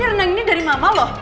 renang ini dari mama loh